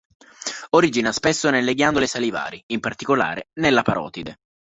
Origina spesso nelle ghiandole salivari, in particolare nella parotide.